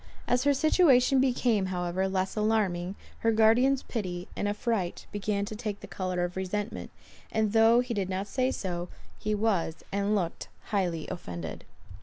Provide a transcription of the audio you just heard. As her situation became, however, less alarming, her guardian's pity and affright began to take the colour of resentment; and though he did not say so, he was, and looked, highly offended.